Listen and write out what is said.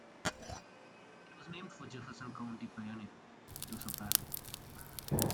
It was named for Jefferson County pioneer, Joseph Barnett.